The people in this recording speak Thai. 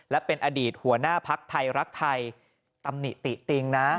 และเป็นอดีตหัวหน้าพักไทยรักไทยตำหนิติติงนะ